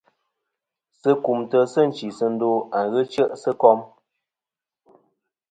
Sɨ kumtɨ sɨ nchisɨndo a ghɨ chɨ'sɨ kom.